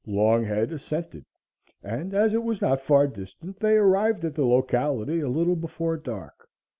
Longhead assented and, as it was not far distant, they arrived at the locality a little before dark.